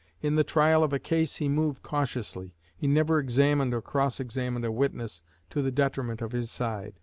In the trial of a case he moved cautiously. He never examined or cross examined a witness to the detriment of his side.